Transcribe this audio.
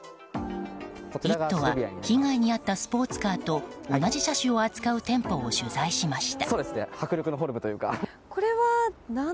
「イット！」は被害に遭ったスポーツカーと同じ車種を扱う店舗を取材しました。